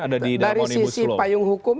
ada di dalam omnibus law dari sisi payung hukum